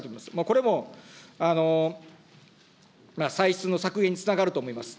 これも歳出の削減につながると思います。